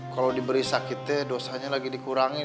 kalo diberi sakit tuh dosanya lagi dikurangi